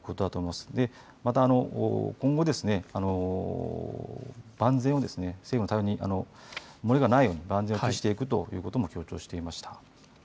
また今後ですね万全を漏れがないように万全を期していくということも強調していました。